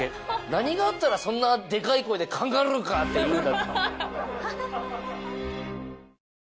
何があったらそんなでかい声で「カンガルーか！」って言うんだ？